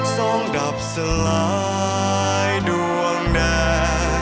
สองดับสลายดวงแด